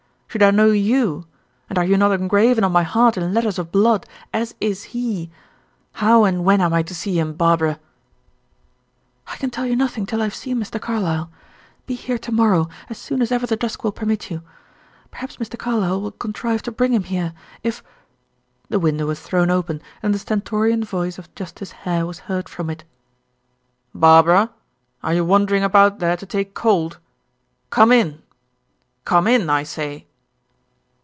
Should I know you? And are you not engraven on my heart in letters of blood, as is he? How and when am I to see him, Barbara?" "I can tell you nothing till I have seen Mr. Carlyle. Be here to morrow, as soon as ever the dusk will permit you. Perhaps Mr. Carlyle will contrive to bring him here. If " The window was thrown open, and the stentorian voice of Justice Hare was heard from it. "Barbara, are you wandering about there to take cold? Come in! Come in, I say!"